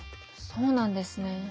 そうなんですね。